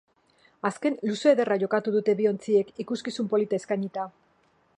Azken luze ederra jokatu dute bi ontziek ikuskizun polita eskainita.